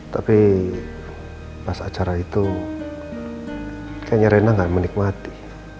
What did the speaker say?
tapi pas acara itu kayaknya rena gak menikmati